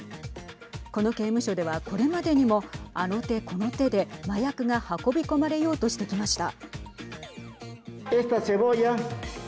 この刑務所ではこれまでにも、あの手この手で麻薬が運び込まれようとしてきました。